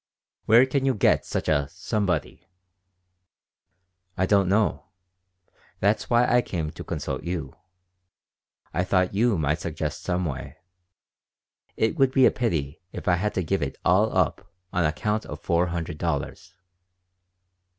"Where can you get such a 'somebody'?" "I don't know. That's why I came to consult you. I thought you might suggest some way. It would be a pity if I had to give it all up on account of four hundred dollars."